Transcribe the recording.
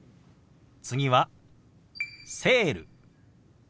次は「セール」。